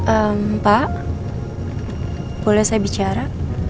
empat pak boleh saya bicara